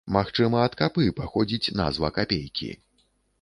Магчыма ад капы паходзіць назва капейкі.